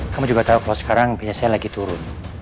kamu juga tahu kalau sekarang bisnis saya lagi turun